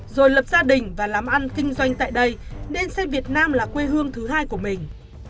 rồi lập gia đình và làm ăn kinh doanh tại đây nên xem việt nam là quê hương thứ hai của mình